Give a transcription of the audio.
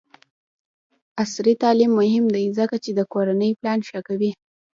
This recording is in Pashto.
عصري تعلیم مهم دی ځکه چې د کورنۍ پلان ښه کوي.